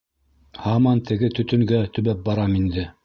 Һаман теге төтөнгә төбәп барам инде.